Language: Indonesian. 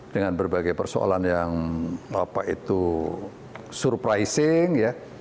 dengan berbagai persoalan yang apa itu surprising ya